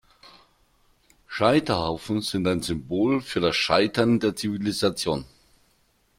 Scheiterhaufen sind ein Symbol für das Scheitern der Zivilisation.